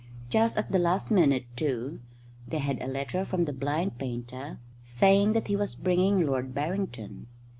Just at the last minute, too, they had a letter from the blind painter saying that he was bringing Lord Barrington.